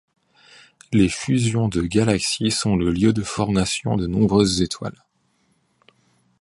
Les fusions de galaxies sont le lieu de formation de nombreuses étoiles.